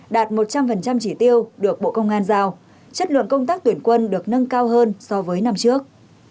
đạt một trăm linh chỉ tiêu được bộ công an giao chất lượng công tác tuyển quân được nâng cao hơn so với năm trước